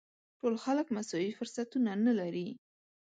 ټول خلک مساوي فرصتونه نه لري.